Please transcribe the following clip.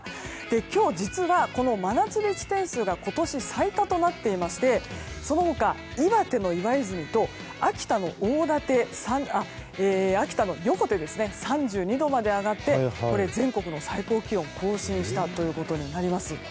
今日実は、この真夏日地点数が今年最多となっていましてその他、岩手の岩泉と秋田の横手で３２度まで上がって全国の最高気温を更新したということになります。